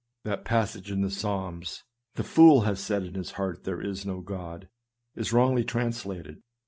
That passage in the Psalms, " The fool hath said in his heart, there is no God," is wrongly transla ted.